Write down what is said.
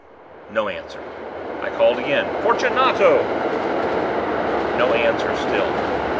No answer. I called again— "Fortunato!" No answer still.